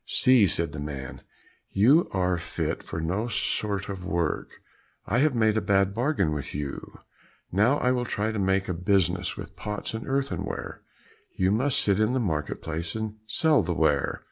"See," said the man, "you are fit for no sort of work; I have made a bad bargain with you. Now I will try to make a business with pots and earthenware; you must sit in the market place and sell the ware."